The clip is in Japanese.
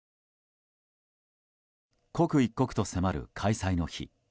刻一刻と迫る開催の日。